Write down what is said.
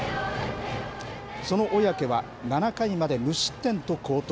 そのおやけは、７回まで無失点と好投。